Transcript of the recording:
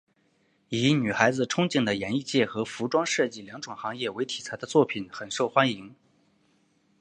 以女孩子憧憬的演艺界和服装设计两种行业为题材的作品很受欢迎。